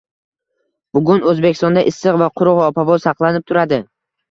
Bugun O‘zbekistonda issiq va quruq ob-havo saqlanib turadi